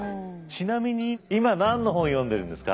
ちなみに今何の本読んでるんですか？